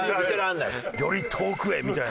「より遠くへ」みたいな。